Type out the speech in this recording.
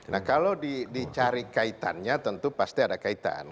nah kalau dicari kaitannya tentu pasti ada kaitan